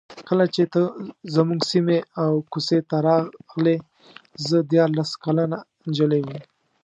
کله چې ته زموږ سیمې او کوڅې ته راغلې زه دیارلس کلنه نجلۍ وم.